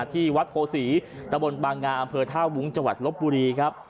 ที่วัดโผศีตะบลบางงาอำเภอท่าวุงจลบบุรีครับ